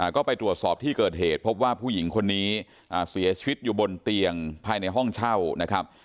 ก็ไปตรวจสอบที่เกิดเหตุพบว่าผู้หญิงคนนี้เสียชีวิตอยู่บนเตียงภายในห้องเช่านะครับ